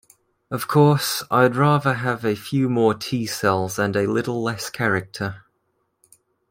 Of course, I'd rather have a few more T-cells and a little less character.